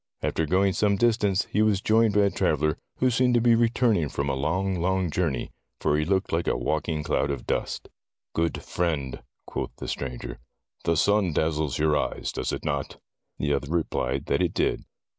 After going some distance he was joined by a traveler, who seemed to be re turning from a long, long journey, for he looked like a walking cloud of dust. "Good friend," quoth the stranger, "the sun dazzles your eyes, does it not?" The other replied that it did.